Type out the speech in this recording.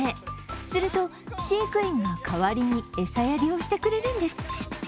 すると飼育員が代わりに餌やりをしてくれるんです。